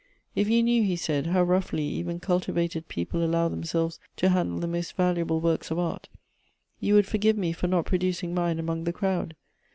" If you knew," he said, " how roughly even cultivated people allow themselves to handle the most valuable works of art, you would forgive me for not producing mine among the crowd.